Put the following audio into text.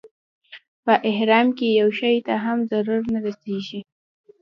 په احرام کې یو شي ته هم ضرر نه رسېږي.